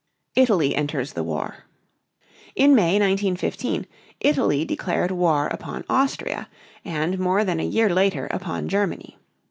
ITALY ENTERS THE WAR. In May, 1915, Italy declared war upon Austria, and more than a year later upon Germany.